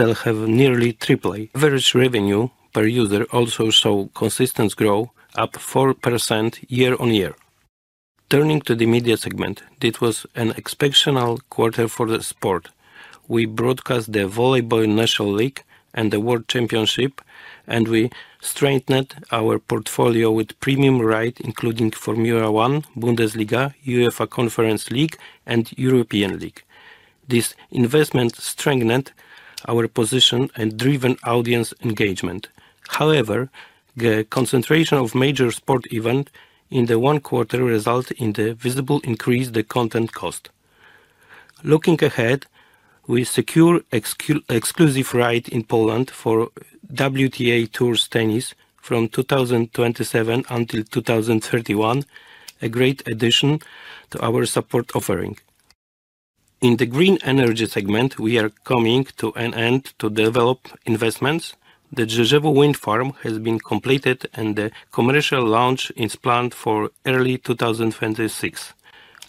Sales have nearly tripled. Average revenue per user also saw consistent growth, up 4% year on year. Turning to the media segment, this was an exceptional quarter for the sport. We broadcast the Volleyball Nations League and the World Championship, and we strengthened our portfolio with premium rights including Formula One, Bundesliga, UEFA Conference League, and Europa League. This investment strengthened our position and driven audience engagement. However, the concentration of major sport events in the one quarter resulted in a visible increase in the content cost. Looking ahead, we secured exclusive rights in Poland for WTA Tours Tennis from 2027 until 2031, a great addition to our sport offering. In the green energy segment, we are coming to an end to develop investments. The Rzeszów wind farm has been completed, and the commercial launch is planned for early 2026.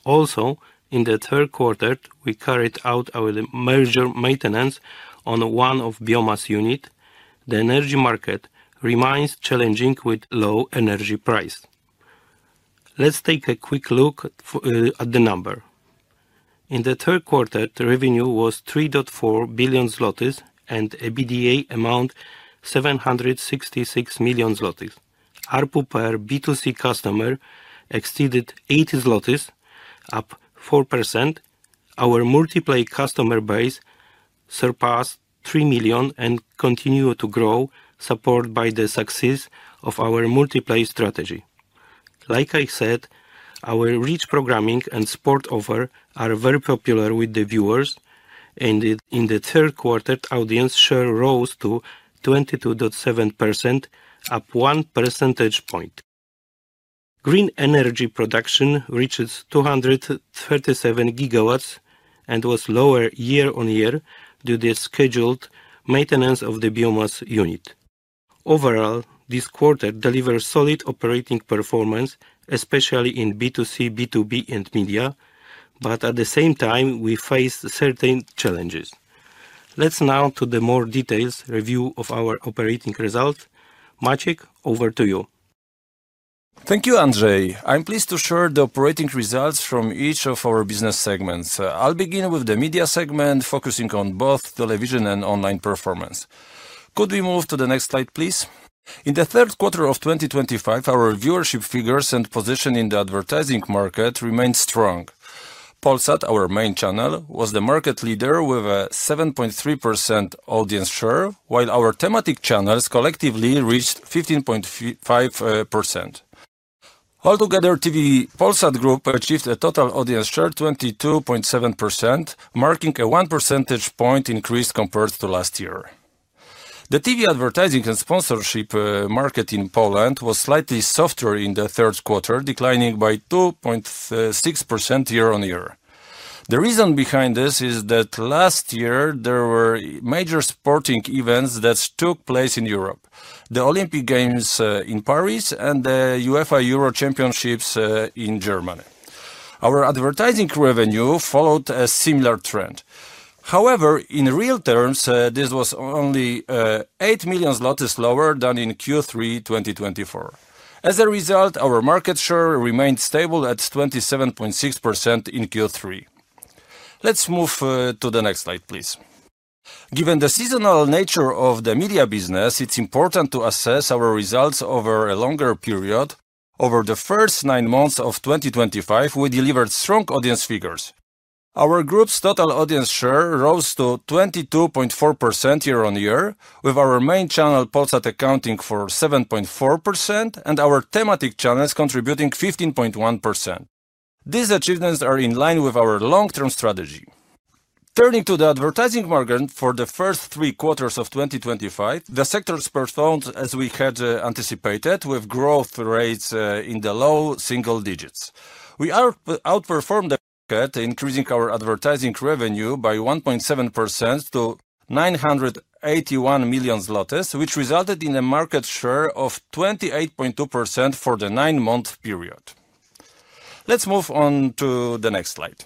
Also, in the third quarter, we carried out our major maintenance on one of the biomass units. The energy market remains challenging with low energy prices. Let's take a quick look at the numbers. In the third quarter, the revenue was 3.4 billion zlotys, and the EBITDA amounted to 766 million zlotys. Our ARPU per B2C customer exceeded 80 zlotys, up 4%. Our multiplayer customer base surpassed 3 million and continued to grow, supported by the success of our multiplayer strategy. Like I said, our rich programming and sport offer are very popular with the viewers, and in the third quarter, audience share rose to 22.7%, up 1 percentage point. Green energy production reached 237 GWh and was lower year on year due to the scheduled maintenance of the biomass unit. Overall, this quarter delivered solid operating performance, especially in B2C, B2B, and media, but at the same time, we faced certain challenges. Let's now go to the more detailed review of our operating results. Maciej, over to you. Thank you, Andrzej. I'm pleased to share the operating results from each of our business segments. I'll begin with the media segment, focusing on both television and online performance. Could we move to the next slide, please? In the third quarter of 2025, our viewership figures and position in the advertising market remained strong. Polsat, our main channel, was the market leader with a 7.3% audience share, while our thematic channels collectively reached 15.5%. Altogether, TV Polsat Group achieved a total audience share of 22.7%, marking a 1 percentage point increase compared to last year. The TV advertising and sponsorship market in Poland was slightly softer in the third quarter, declining by 2.6% year on year. The reason behind this is that last year there were major sporting events that took place in Europe: the Olympic Games in Paris and the UEFA Euro Championships in Germany. Our advertising revenue followed a similar trend. However, in real terms, this was only 8 million zlotys lower than in Q3 2024. As a result, our market share remained stable at 27.6% in Q3. Let's move to the next slide, please. Given the seasonal nature of the media business, it's important to assess our results over a longer period. Over the first nine months of 2025, we delivered strong audience figures. Our group's total audience share rose to 22.4% year on year, with our main channel Polsat accounting for 7.4% and our thematic channels contributing 15.1%. These achievements are in line with our long-term strategy. Turning to the advertising market for the first three quarters of 2025, the sectors performed as we had anticipated, with growth rates in the low single digits. We outperformed the market, increasing our advertising revenue by 1.7% to 981 million, which resulted in a market share of 28.2% for the nine-month period. Let's move on to the next slide.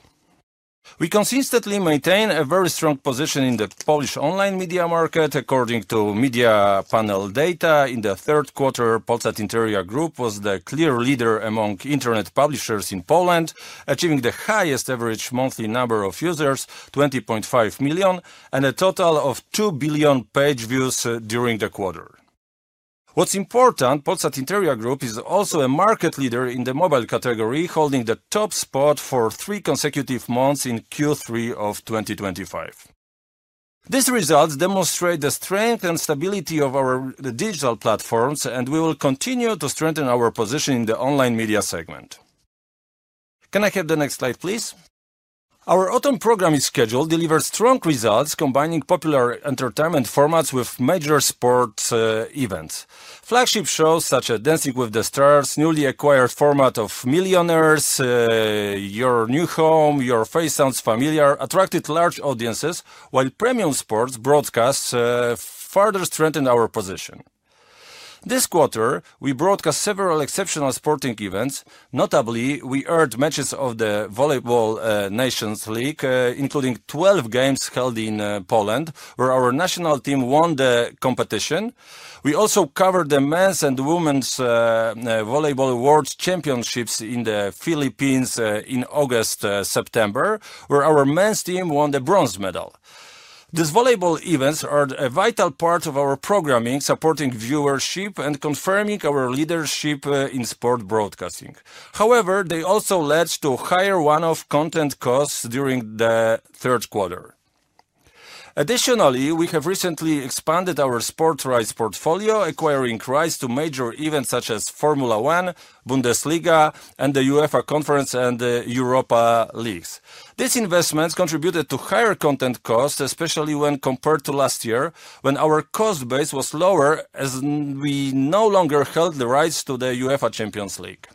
We consistently maintain a very strong position in the Polish online media market. According to media panel data, in the third quarter, Polsat Interia Group was the clear leader among internet publishers in Poland, achieving the highest average monthly number of users, 20.5 million, and a total of 2 billion page views during the quarter. What's important, Polsat Interia Group is also a market leader in the mobile category, holding the top spot for three consecutive months in Q3 of 2023. These results demonstrate the strength and stability of our digital platforms, and we will continue to strengthen our position in the online media segment. Can I have the next slide, please? Our autumn programming schedule delivered strong results, combining popular entertainment formats with major sports events. Flagship shows such as Dancing with the Stars, a newly acquired format of Millionaires, Your New Home, and Your Face Sounds Familiar attracted large audiences, while premium sports broadcasts further strengthened our position. This quarter, we broadcast several exceptional sporting events. Notably, we aired matches of the Volleyball Nations League, including 12 games held in Poland, where our national team won the competition. We also covered the Men's and Women's Volleyball World Championships in the Philippines in August-September, where our men's team won the bronze medal. These volleyball events are a vital part of our programming, supporting viewership and confirming our leadership in sport broadcasting. However, they also led to higher one-off content costs during the third quarter. Additionally, we have recently expanded our sports rights portfolio, acquiring rights to major events such as Formula One, Bundesliga, and the UEFA Conference and the Europa Leagues. These investments contributed to higher content costs, especially when compared to last year, when our cost base was lower as we no longer held the rights to the UEFA Champions League.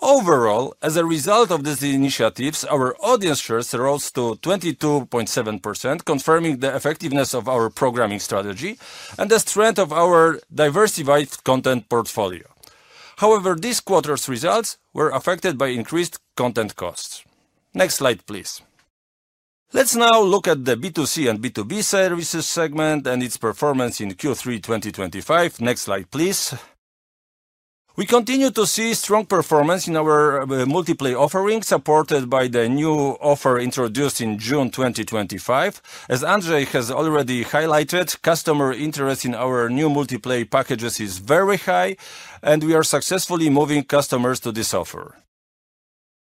Overall, as a result of these initiatives, our audience share rose to 22.7%, confirming the effectiveness of our programming strategy and the strength of our diversified content portfolio. However, this quarter's results were affected by increased content costs. Next slide, please. Let's now look at the B2C and B2B services segment and its performance in Q3 2025. Next slide, please. We continue to see strong performance in our multiplayer offering, supported by the new offer introduced in June 2025. As Andrzej has already highlighted, customer interest in our new multiplayer packages is very high, and we are successfully moving customers to this offer.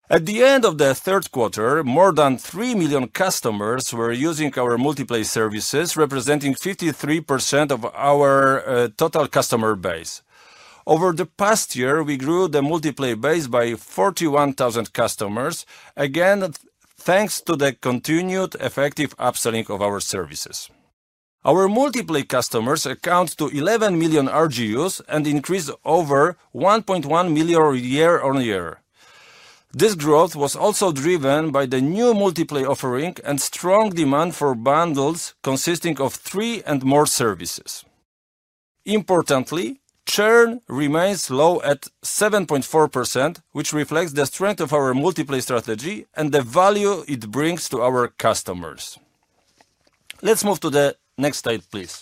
At the end of the third quarter, more than 3 million customers were using our multiplayer services, representing 53% of our total customer base. Over the past year, we grew the multiplayer base by 41,000 customers, again thanks to the continued effective upselling of our services. Our multiplayer customers accounted for 11 million RGUs and increased over 1.1 million year on year. This growth was also driven by the new multiplayer offering and strong demand for bundles consisting of three and more services. Importantly, churn remains low at 7.4%, which reflects the strength of our multiplayer strategy and the value it brings to our customers. Let's move to the next slide, please.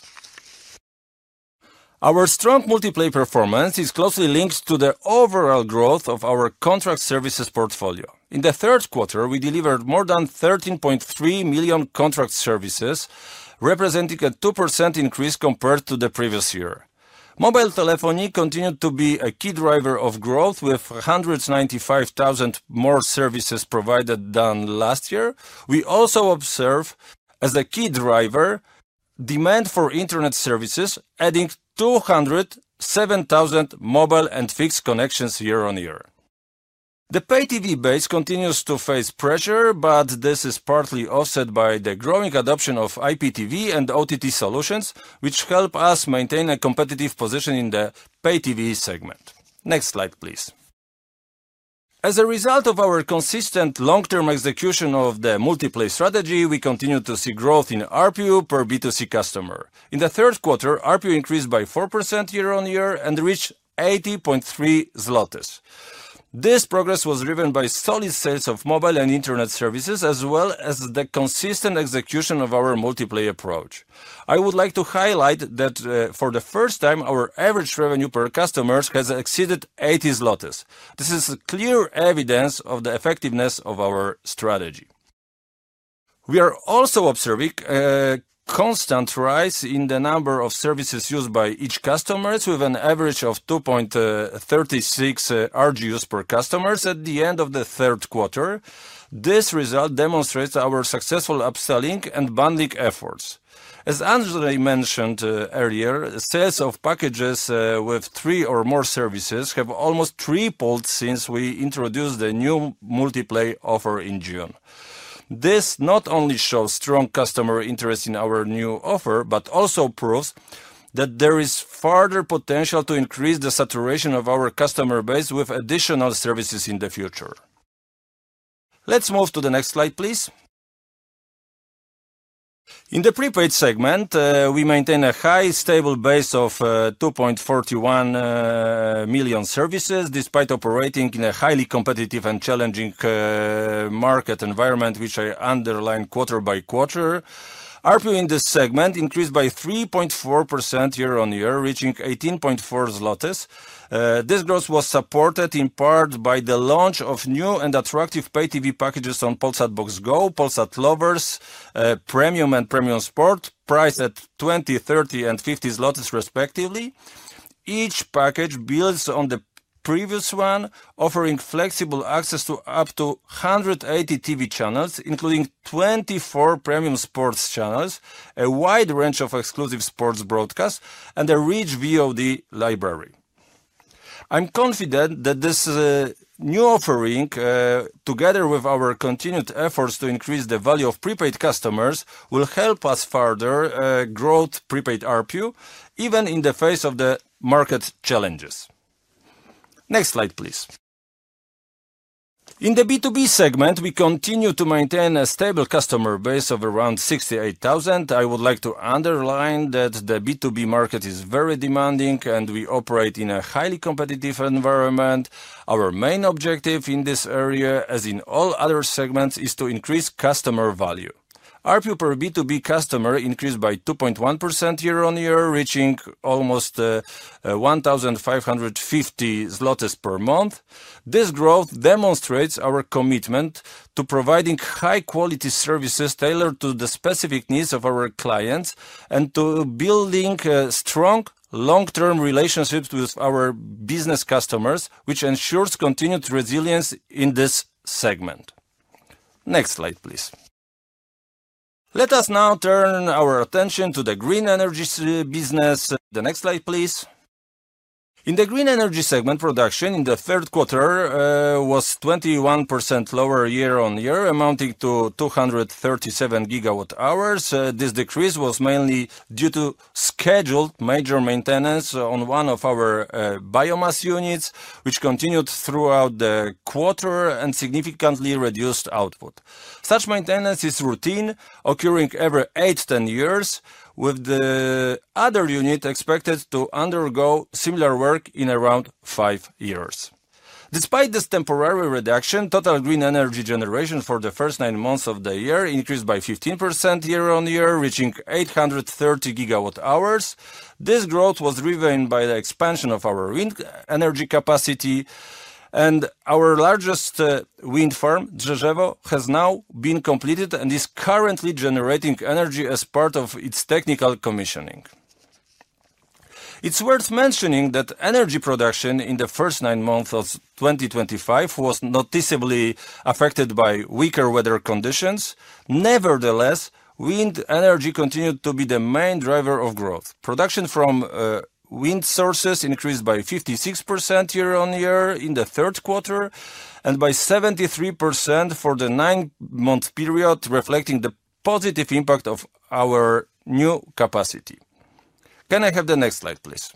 Our strong multiplayer performance is closely linked to the overall growth of our contract services portfolio. In the third quarter, we delivered more than 13.3 million contract services, representing a 2% increase compared to the previous year. Mobile telephony continued to be a key driver of growth, with 195,000 more services provided than last year. We also observe, as a key driver, demand for internet services, adding 207,000 mobile and fixed connections year on year. The pay-TV base continues to face pressure, but this is partly offset by the growing adoption of IPTV and OTT solutions, which help us maintain a competitive position in the pay-TV segment. Next slide, please. As a result of our consistent long-term execution of the multiplayer strategy, we continue to see growth in RPU per B2C customer. In the third quarter, RPU increased by 4% year on year and reached 80.3. This progress was driven by solid sales of mobile and internet services, as well as the consistent execution of our multiplayer approach. I would like to highlight that for the first time, our average revenue per customer has exceeded 80 zlotys. This is clear evidence of the effectiveness of our strategy. We are also observing a constant rise in the number of services used by each customer, with an average of 2.36 RGUs per customer at the end of the third quarter. This result demonstrates our successful upselling and bundling efforts. As Andrzej mentioned earlier, sales of packages with three or more services have almost tripled since we introduced the new multiplayer offer in June. This not only shows strong customer interest in our new offer, but also proves that there is further potential to increase the saturation of our customer base with additional services in the future. Let's move to the next slide, please. In the prepaid segment, we maintain a high, stable base of 2.41 million services, despite operating in a highly competitive and challenging market environment, which I underlined quarter by quarter. RPU in this segment increased by 3.4% year on year, reaching 18.4 zlotys. This growth was supported in part by the launch of new and attractive pay-TV packages on Polsat Box Go, Polsat Lovers, Premium, and Premium Sport, priced at 20, 30, and 50 zlotys, respectively. Each package builds on the previous one, offering flexible access to up to 180 TV channels, including 24 Premium Sports channels, a wide range of exclusive sports broadcasts, and a rich VOD library. I'm confident that this new offering, together with our continued efforts to increase the value of prepaid customers, will help us further grow prepaid RPU, even in the face of the market challenges. Next slide, please. In the B2B segment, we continue to maintain a stable customer base of around 68,000. I would like to underline that the B2B market is very demanding, and we operate in a highly competitive environment. Our main objective in this area, as in all other segments, is to increase customer value. RPU per B2B customer increased by 2.1% year on year, reaching almost 1,550 zlotys per month. This growth demonstrates our commitment to providing high-quality services tailored to the specific needs of our clients and to building strong, long-term relationships with our business customers, which ensures continued resilience in this segment. Next slide, please. Let us now turn our attention to the green energy business. The next slide, please. In the green energy segment, production in the third quarter was 21% lower year on year, amounting to 237 GWh. This decrease was mainly due to scheduled major maintenance on one of our biomass units, which continued throughout the quarter and significantly reduced output. Such maintenance is routine, occurring every 8-10 years, with the other unit expected to undergo similar work in around five years. Despite this temporary reduction, total green energy generation for the first nine months of the year increased by 15% year on year, reaching 830 GWh. This growth was driven by the expansion of our wind energy capacity, and our largest wind farm, Drzewo, has now been completed and is currently generating energy as part of its technical commissioning. It's worth mentioning that energy production in the first nine months of 2025 was noticeably affected by weaker weather conditions. Nevertheless, wind energy continued to be the main driver of growth. Production from wind sources increased by 56% year on year in the third quarter and by 73% for the nine-month period, reflecting the positive impact of our new capacity. Can I have the next slide, please?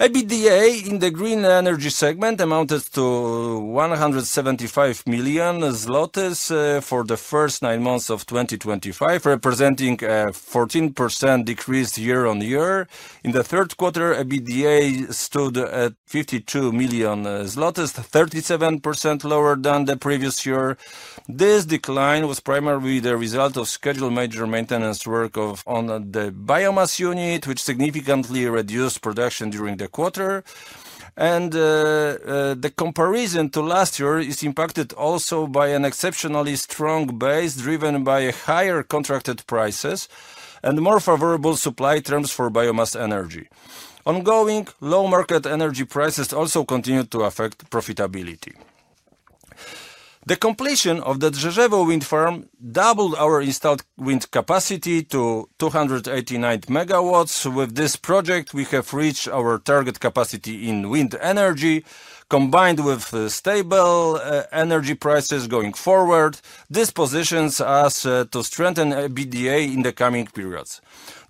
EBITDA in the green energy segment amounted to 175 million zlotys for the first nine months of 2025, representing a 14% decrease year on year. In the third quarter, EBITDA stood at 52 million zlotys, 37% lower than the previous year. This decline was primarily the result of scheduled major maintenance work on the biomass unit, which significantly reduced production during the quarter. The comparison to last year is impacted also by an exceptionally strong base driven by higher contracted prices and more favorable supply terms for biomass energy. Ongoing low market energy prices also continued to affect profitability. The completion of the Drzewo wind farm doubled our installed wind capacity to 289 MW. With this project, we have reached our target capacity in wind energy. Combined with stable energy prices going forward, this positions us to strengthen EBITDA in the coming periods.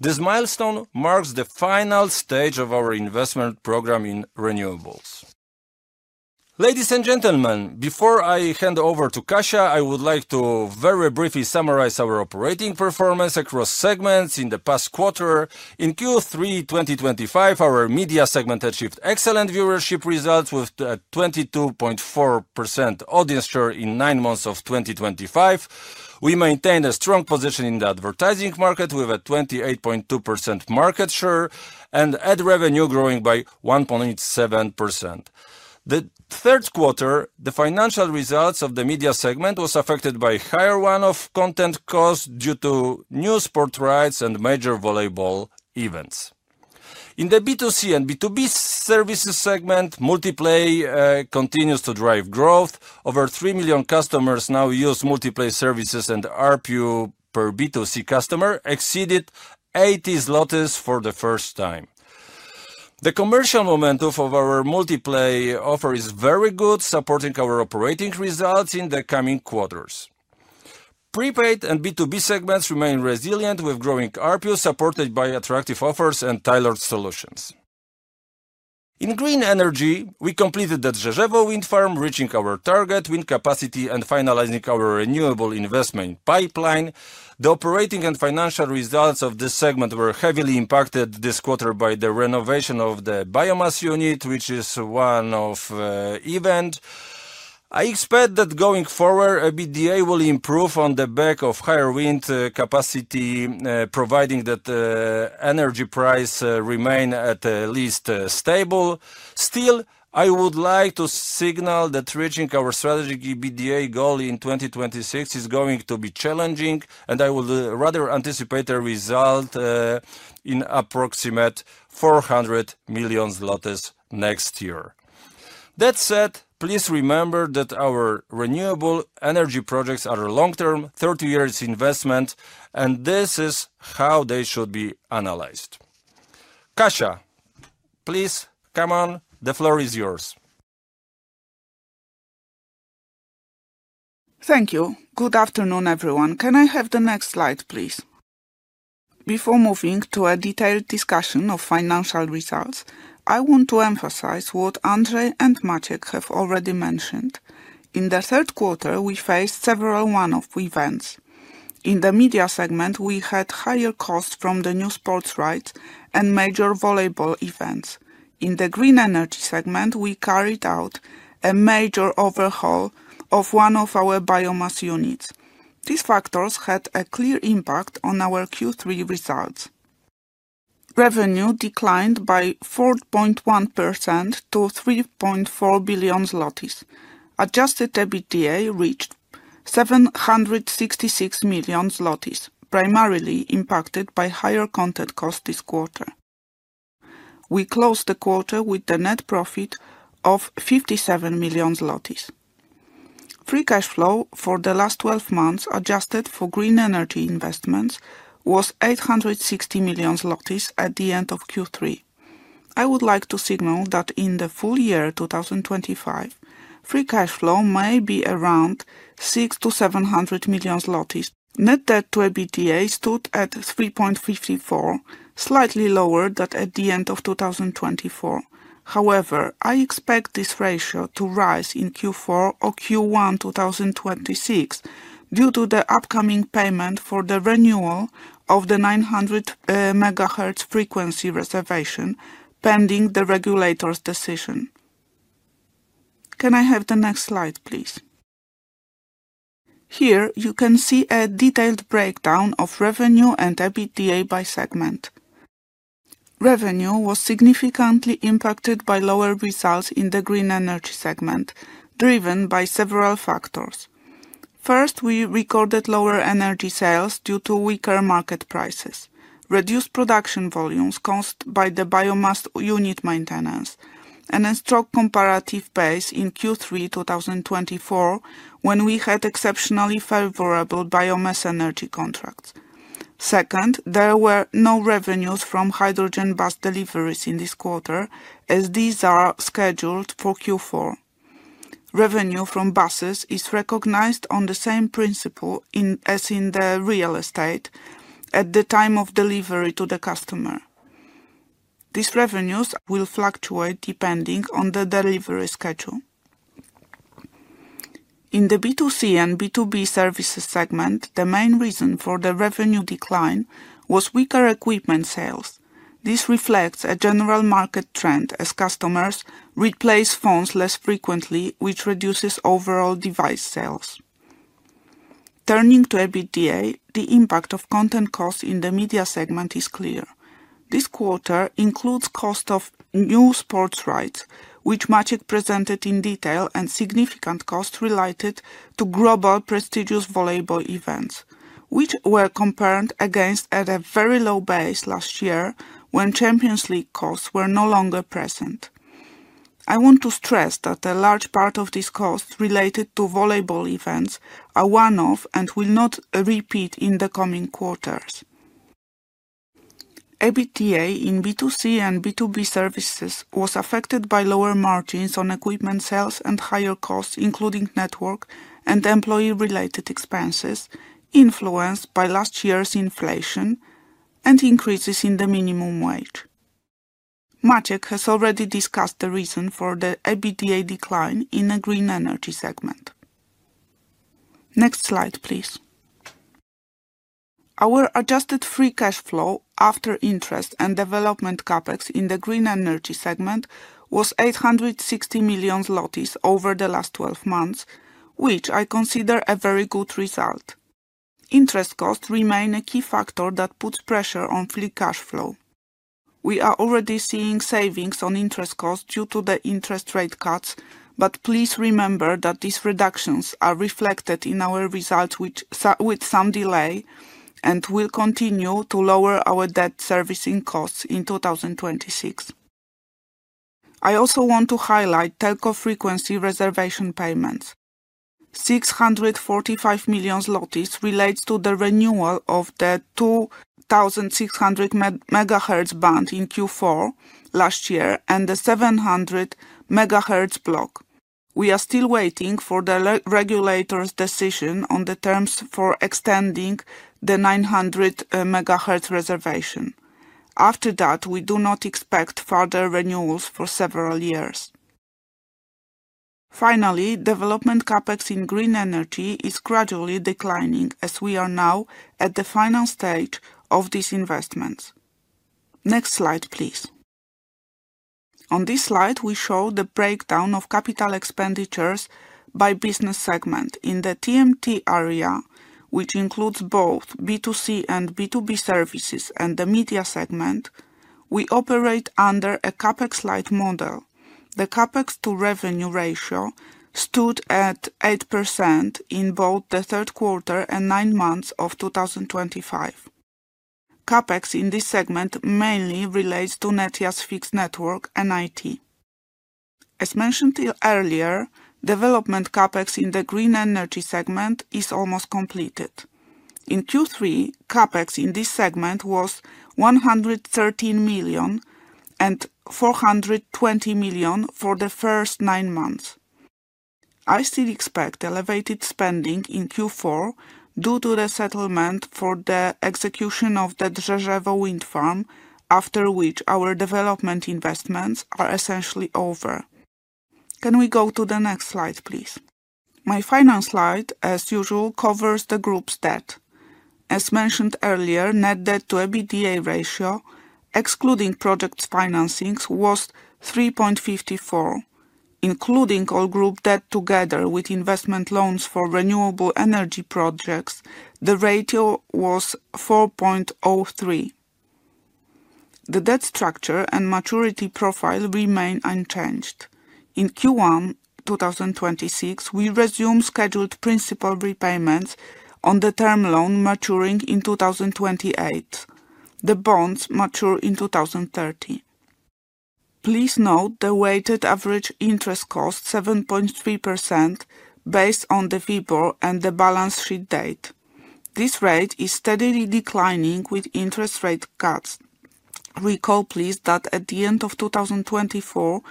This milestone marks the final stage of our investment program in renewables. Ladies and gentlemen, before I hand over to Kasia, I would like to very briefly summarize our operating performance across segments in the past quarter. In Q3 2025, our media segment achieved excellent viewership results with a 22.4% audience share in nine months of 2025. We maintained a strong position in the advertising market with a 28.2% market share and ad revenue growing by 1.7%. The third quarter, the financial results of the media segment were affected by a higher one-off content costs due to new sport rights and major volleyball events. In the B2C and B2B services segment, multiplayer continues to drive growth. Over 3 million customers now use multiplayer services, and RPU per B2C customer exceeded 80 zlotys for the first time. The commercial momentum of our multiplayer offer is very good, supporting our operating results in the coming quarters. Prepaid and B2B segments remain resilient, with growing RPU supported by attractive offers and tailored solutions. In green energy, we completed the Drzewo wind farm, reaching our target wind capacity and finalizing our renewable investment pipeline. The operating and financial results of this segment were heavily impacted this quarter by the renovation of the biomass unit, which is a one-off event. I expect that going forward, EBITDA will improve on the back of higher wind capacity, providing that energy prices remain at least stable. Still, I would like to signal that reaching our strategic EBITDA goal in 2026 is going to be challenging, and I would rather anticipate a result in approximate 400 million zloty next year. That said, please remember that our renewable energy projects are long-term, 30 years investment, and this is how they should be analyzed. Kasia, please come on. The floor is yours. Thank you. Good afternoon, everyone. Can I have the next slide, please? Before moving to a detailed discussion of financial results, I want to emphasize what Andrzej and Maciej have already mentioned. In the third quarter, we faced several one-off events. In the media segment, we had higher costs from the new sports rights and major volleyball events. In the green energy segment, we carried out a major overhaul of one of our biomass units. These factors had a clear impact on our Q3 results. Revenue declined by 4.1% to 3.4 billion zlotys. Adjusted EBITDA reached 766 million zlotys, primarily impacted by higher content costs this quarter. We closed the quarter with a net profit of 57 million zlotys. Free cash flow for the last 12 months, adjusted for green energy investments, was 860 million zlotys at the end of Q3. I would like to signal that in the full year 2025, free cash flow may be around 600-700 million zlotys. Net debt to EBITDA stood at 3.54, slightly lower than at the end of 2024. However, I expect this ratio to rise in Q4 or Q1 2026 due to the upcoming payment for the renewal of the 900 MHz frequency reservation, pending the regulator's decision. Can I have the next slide, please? Here you can see a detailed breakdown of revenue and EBITDA by segment. Revenue was significantly impacted by lower results in the green energy segment, driven by several factors. First, we recorded lower energy sales due to weaker market prices. Reduced production volumes were caused by the biomass unit maintenance and a strong comparative base in Q3 2023 when we had exceptionally favorable biomass energy contracts. Second, there were no revenues from hydrogen bus deliveries in this quarter, as these are scheduled for Q4. Revenue from buses is recognized on the same principle as in real estate at the time of delivery to the customer. These revenues will fluctuate depending on the delivery schedule. In the B2C and B2B services segment, the main reason for the revenue decline was weaker equipment sales. This reflects a general market trend as customers replace phones less frequently, which reduces overall device sales. Turning to EBITDA, the impact of content costs in the media segment is clear. This quarter includes the cost of new sports rights, which Maciej presented in detail, and significant costs related to global prestigious volleyball events, which were compared against at a very low base last year when Champions League costs were no longer present. I want to stress that a large part of these costs related to volleyball events are one-off and will not repeat in the coming quarters. EBITDA in B2C and B2B services was affected by lower margins on equipment sales and higher costs, including network and employee-related expenses, influenced by last year's inflation and increases in the minimum wage. Maciej has already discussed the reason for the EBITDA decline in the green energy segment. Next slide, please. Our adjusted free cash flow after interest and development Capex in the green energy segment was 860 million over the last 12 months, which I consider a very good result. Interest costs remain a key factor that puts pressure on free cash flow. We are already seeing savings on interest costs due to the interest rate cuts, but please remember that these reductions are reflected in our results with some delay and will continue to lower our debt servicing costs in 2026. I also want to highlight telco frequency reservation payments. 645 million zlotys relates to the renewal of the 2600 MHz band in Q4 last year and the 700 MHz block. We are still waiting for the regulator's decision on the terms for extending the 900 MHz reservation. After that, we do not expect further renewals for several years. Finally, development Capex in green energy is gradually declining as we are now at the final stage of these investments. Next slide, please. On this slide, we show the breakdown of capital expenditures by business segment. In the TMT area, which includes both B2C and B2B services and the media segment, we operate under a Capex-like model. The Capex-to-revenue ratio stood at 8% in both the third quarter and nine months of 2025. Capex in this segment mainly relates to Netia's fixed network and IT. As mentioned earlier, development Capex in the green energy segment is almost completed. In Q3, Capex in this segment was 113 million and 420 million for the first nine months. I still expect elevated spending in Q4 due to the settlement for the execution of the Drzewo wind farm, after which our development investments are essentially over. Can we go to the next slide, please? My final slide, as usual, covers the group's debt. As mentioned earlier, net debt-to-EBITDA ratio, excluding project financings, was 3.54. Including all group debt together with investment loans for renewable energy projects, the ratio was 4.03. The debt structure and maturity profile remain unchanged. In Q1 2026, we resume scheduled principal repayments on the term loan maturing in 2028. The bonds mature in 2030. Please note the weighted average interest cost, 7.3%, based on the FIBOR and the balance sheet date. This rate is steadily declining with interest rate cuts. Recall, please, that at the end of 2024,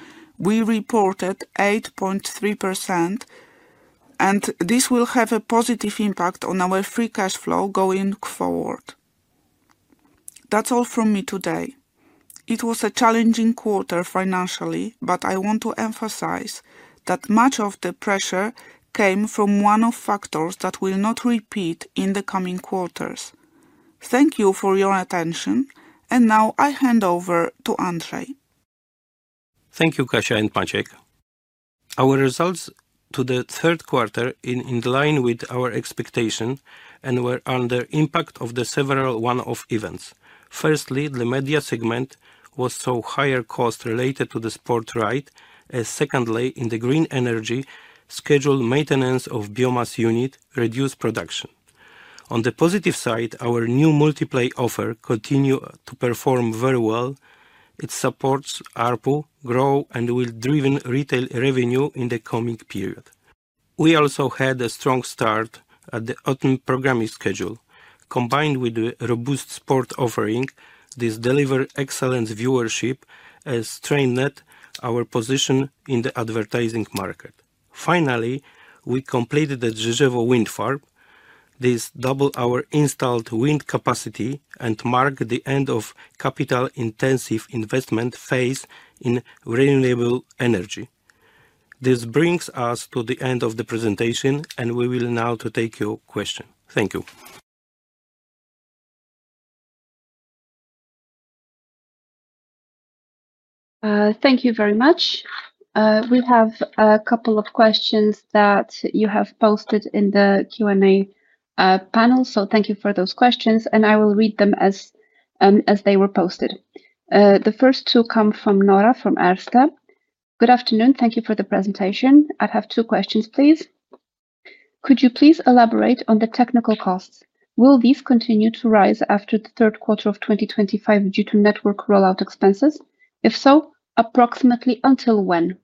we reported 8.3%, and this will have a positive impact on our free cash flow going forward. That's all from me today. It was a challenging quarter financially, but I want to emphasize that much of the pressure came from one-off factors that will not repeat in the coming quarters. Thank you for your attention, and now I hand over to Andrzej. Thank you, Kasia and Maciej. Our results to the third quarter are in line with our expectations and were under the impact of several one-off events. Firstly, the media segment was so higher cost related to the sport rights. Secondly, in the green energy, scheduled maintenance of biomass units reduced production. On the positive side, our new multiplayer offer continues to perform very well. It supports ARPU, grows, and will drive retail revenue in the coming period. We also had a strong start at the autumn programming schedule. Combined with the robust sport offering, this delivers excellent viewership and strengthens our position in the advertising market. Finally, we completed the Drzewo wind farm. This doubled our installed wind capacity and marked the end of the capital-intensive investment phase in renewable energy. This brings us to the end of the presentation, and we will now take your questions. Thank you. Thank you very much. We have a couple of questions that you have posted in the Q&A panel, thank you for those questions, and I will read them as they were posted. The first two come from Nora from Arstec. Good afternoon. Thank you for the presentation. I have two questions, please. Could you please elaborate on the technical costs? Will these continue to rise after the third quarter of 2025 due to network rollout expenses? If so, approximately until when?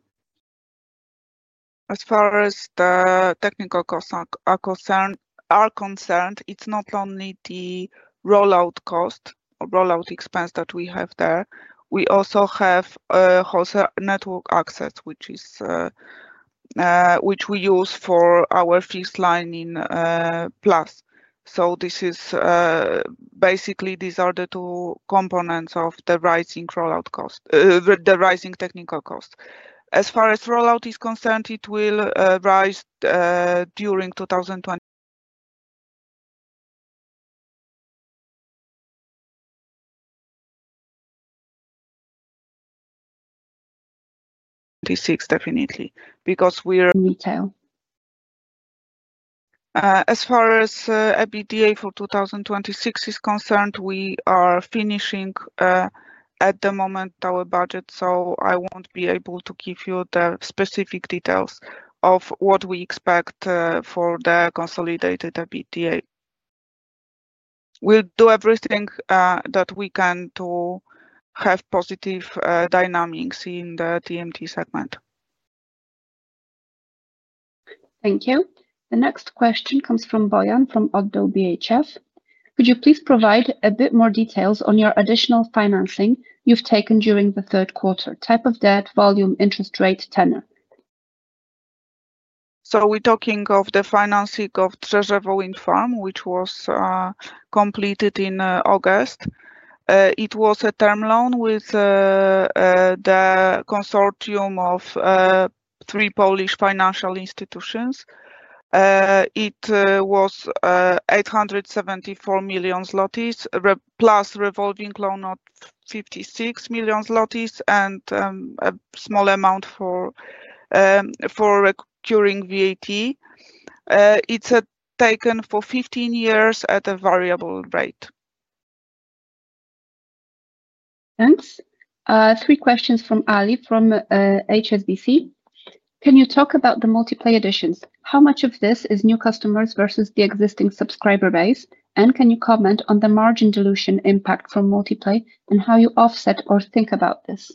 As far as the technical costs are concerned, it is not only the rollout cost or rollout expense that we have there. We also have network access, which we use for our fixed lining plus. These are basically the two components of the rising technical costs. As far as rollout is concerned, it will rise during 2026, definitely, because we... In retail? As far as EBITDA for 2026 is concerned, we are finishing at the moment our budget, so I won't be able to give you the specific details of what we expect for the consolidated EBITDA. We'll do everything that we can to have positive dynamics in the TMT segment. Thank you. The next question comes from Bojan from Oddo BHF. Could you please provide a bit more details on your additional financing you've taken during the third quarter? Type of debt, volume, interest rate, tenor? We are talking of the financing of Drzewo wind farm, which was completed in August. It was a term loan with the consortium of three Polish financial institutions. It was 874 million zlotys, plus revolving loan of 56 million zlotys, and a small amount for recurring VAT. It's taken for 15 years at a variable rate. Thanks. Three questions from Ali from HSBC. Can you talk about the multiplayer additions? How much of this is new customers versus the existing subscriber base? Can you comment on the margin dilution impact from multiplayer and how you offset or think about this?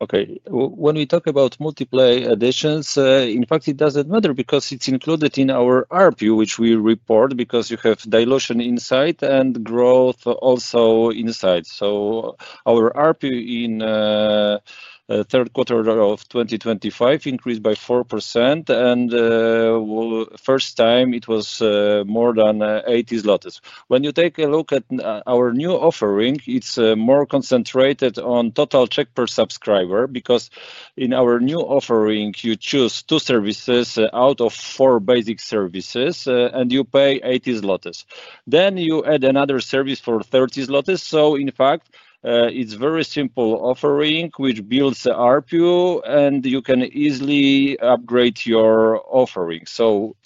Okay. When we talk about multiplayer additions, in fact, it does not matter because it is included in our ARPU, which we report because you have dilution inside and growth also inside. Our ARPU in the third quarter of 2025 increased by 4%, and the first time it was more than 80 zlotys. When you take a look at our new offering, it is more concentrated on total check per subscriber because in our new offering, you choose two services out of four basic services, and you pay 80 zlotys. You add another service for 30 zlotys. In fact, it's a very simple offering which builds the ARPU, and you can easily upgrade your offering.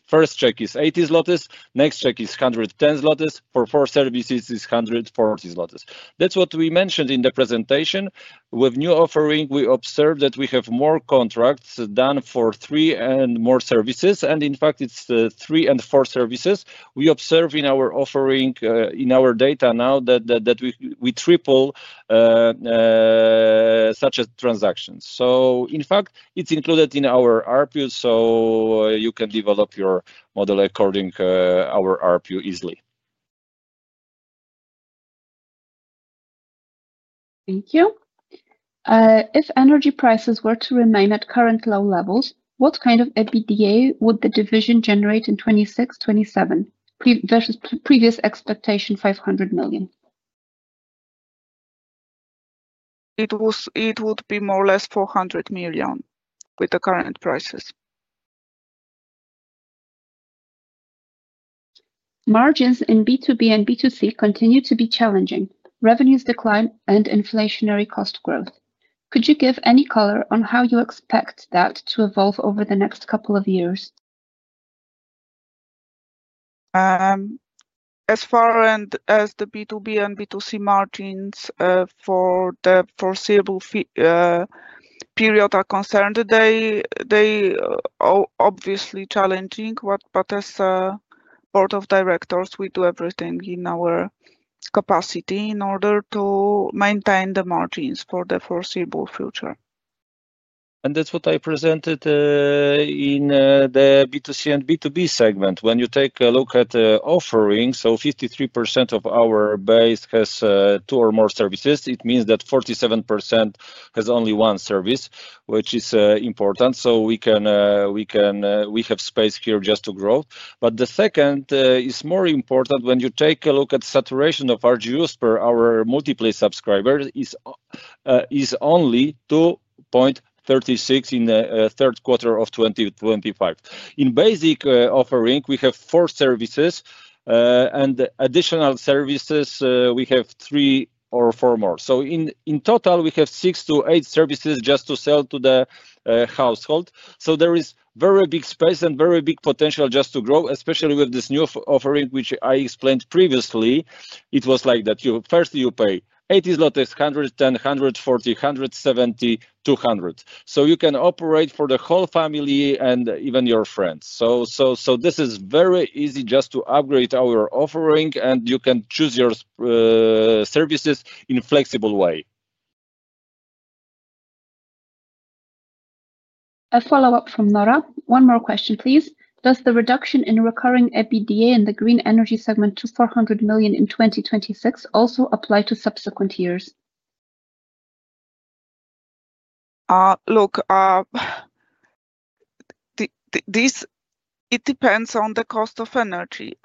First check is 80 zlotys, next check is 110 zlotys, for four services it's 140 zlotys. That's what we mentioned in the presentation. With the new offering, we observed that we have more contracts than for three and more services, and in fact, it's three and four services. We observe in our offering, in our data now, that we triple such transactions. In fact, it's included in our ARPU, so you can develop your model according to our ARPU easily. Thank you. If energy prices were to remain at current low levels, what kind of EBITDA would the division generate in 2026-2027 versus previous expectation of 500 million? It would be more or less 400 million with the current prices. Margins in B2B and B2C continue to be challenging, revenues decline, and inflationary cost growth. Could you give any color on how you expect that to evolve over the next couple of years? As far as the B2B and B2C margins for the foreseeable period are concerned, they are obviously challenging, but as a Board of Directors, we do everything in our capacity in order to maintain the margins for the foreseeable future. That is what I presented in the B2C and B2B segment. When you take a look at the offering, 53% of our base has two or more services, it means that 47% has only one service, which is important. We have space here just to grow. The second is more important when you take a look at the saturation of RGUs per our multiplayer subscribers is only 2.36 in the third quarter of 2025. In the basic offering, we have four services, and additional services, we have three or four more. In total, we have six to eight services just to sell to the household. There is very big space and very big potential just to grow, especially with this new offering, which I explained previously. It was like that. First, you pay 80, 110, 140, 170, 200. You can operate for the whole family and even your friends. This is very easy just to upgrade our offering, and you can choose your services in a flexible way. A follow-up from Nora. One more question, please. Does the reduction in recurring EBITDA in the green energy segment to 400 million in 2026 also apply to subsequent years? Look, it depends on the cost of energy.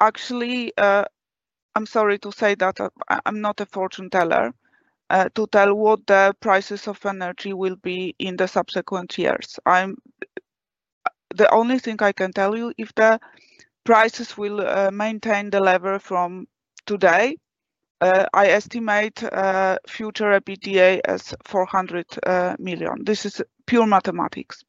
Actually, I'm sorry to say that I'm not a fortune teller to tell what the prices of energy will be in the subsequent years. The only thing I can tell you, if the prices will maintain the level from today, I estimate future EBITDA as 400 million. This is pure mathematics.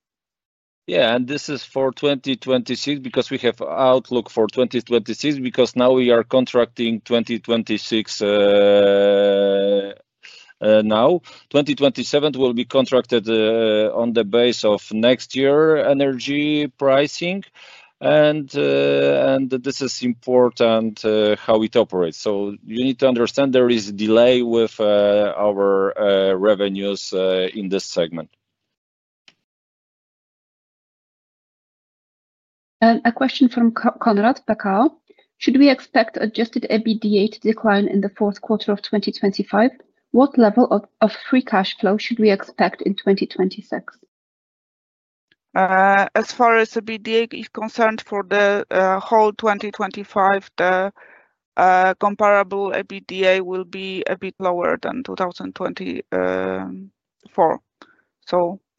Yeah, and this is for 2026 because we have outlook for 2026 because now we are contracting 2026 now. 2027 will be contracted on the base of next year's energy pricing, and this is important how it operates. You need to understand there is a delay with our revenues in this segment. A question from Konrad Pakao. Should we expect adjusted EBITDA to decline in the fourth quarter of 2025? What level of free cash flow should we expect in 2026? As far as EBITDA is concerned for the whole 2025, the comparable EBITDA will be a bit lower than 2024.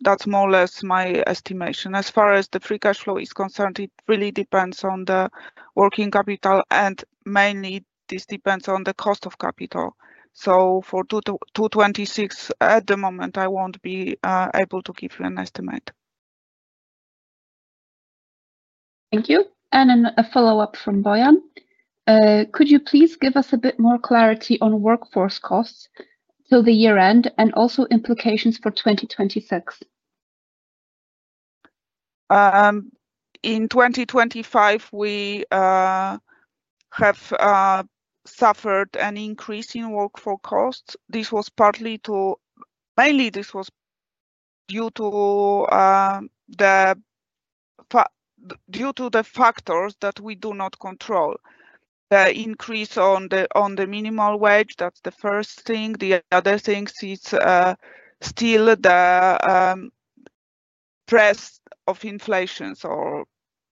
That is more or less my estimation. As far as the free cash flow is concerned, it really depends on the working capital, and mainly this depends on the cost of capital. For 2026, at the moment, I will not be able to give you an estimate. Thank you. A follow-up from Bojan. Could you please give us a bit more clarity on workforce costs till the year-end and also implications for 2026? In 2025, we have suffered an increase in workforce costs. This was partly to mainly this was due to the factors that we do not control. The increase on the minimal wage, that is the first thing. The other thing is still the press of inflation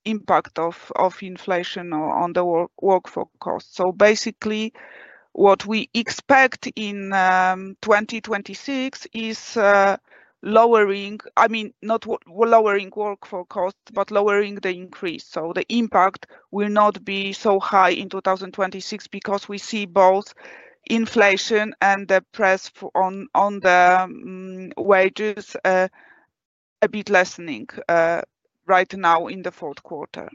or impact of inflation on the workforce costs. Basically, what we expect in 2026 is lowering, I mean, not lowering workforce costs, but lowering the increase. The impact will not be so high in 2026 because we see both inflation and the press on the wages a bit lessening right now in the fourth quarter.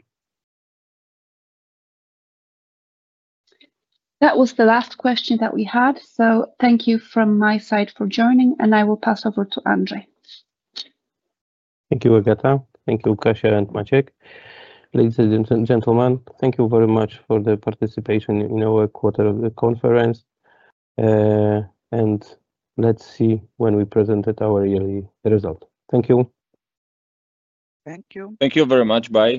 That was the last question that we had. Thank you from my side for joining, and I will pass over to Andrzej. Thank you, Agata. Thank you, Kasia and Maciej, ladies and gentlemen. Thank you very much for the participation in our quarter of the conference. Let's see when we presented our yearly result. Thank you. Thank you. Thank you very much. Bye.